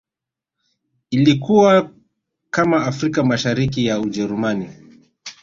Ilikuwa kama Afrika Mashariki ya Ujerumani